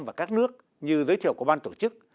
và các nước như giới thiệu của ban tổ chức